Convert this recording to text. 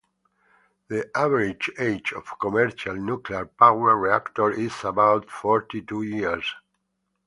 The average age of commercial nuclear power reactors is about forty-two years.